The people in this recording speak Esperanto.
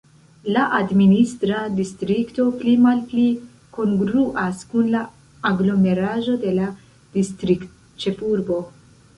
La administra distrikto pli-malpli kongruas kun la aglomeraĵo de la distriktĉefurbo.